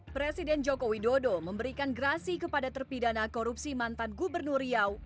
presiden joko widodo memberikan gerasi kepada terpidana korupsi mantan gubernur riau